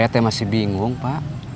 saya masih bingung pak